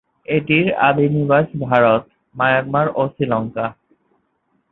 এটির আদি নিবাস ভারত, মায়ানমার ও শ্রীলঙ্কা।